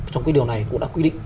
trong cái điều này cũng đã quy định